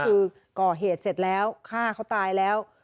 คือก่อเหตุเสร็จแล้วฆ่าเขาตายแล้ว